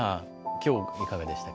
今日いかがでした？